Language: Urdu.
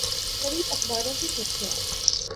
قریب اخباروں کی سرخیاں